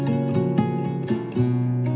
hệ thống hàn quốc